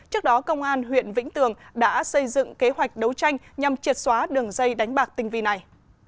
trước đó công an huyện vĩnh tường đã xây dựng kế hoạch đấu tranh nhằm triệt xóa đường dây đánh bạc tinh vi này